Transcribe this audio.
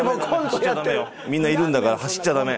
みんないるんだから走っちゃダメ。